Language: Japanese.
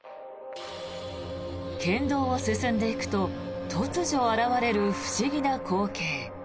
県道を進んでいくと突如、現れる不思議な光景。